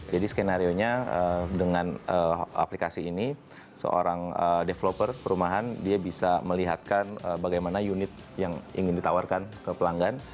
skenario nya dengan aplikasi ini seorang developer perumahan dia bisa melihatkan bagaimana unit yang ingin ditawarkan ke pelanggan